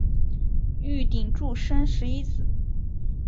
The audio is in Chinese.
玉鼎柱生十一子。